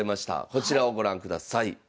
こちらをご覧ください。